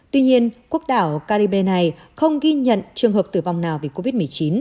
tuy nhiên quốc đảo caribe này không ghi nhận trường hợp tử vong nào vì covid một mươi chín